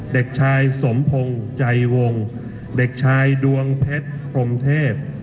เด็กชายสมพงศ์ใจวงเด็กชายดวงเพชรพรมเทพ